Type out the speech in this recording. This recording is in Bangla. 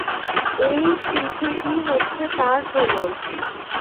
এই চিঠিটি হচ্ছে তার প্রমাণ।